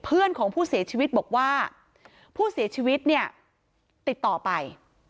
เพื่อนของผู้เสียชีวิตบอกว่าผู้เสียชีวิตเนี่ยติดต่อไป